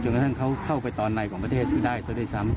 กระทั่งเขาเข้าไปตอนในของประเทศได้ซะด้วยซ้ำ